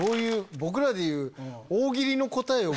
僕らでいう。